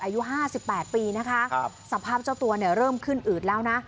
อายุห้าสิบแปดปีนะคะสภาพเจ้าตัวเนี่ยเริ่มขึ้นอืดแล้วนะ